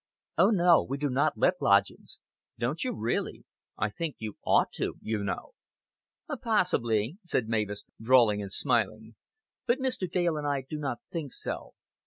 "Oh, no, we do not let lodgings." "Don't you really? I think you ought to, you know." "Possibly," said Mavis, drawling and smiling. "But Mr. Dale and I do not think so.